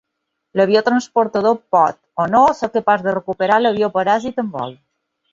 L'avió transportador pot o no ser capaç de recuperar l'avió paràsit en vol.